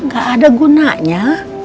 gak ada gunanya